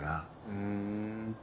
ふん。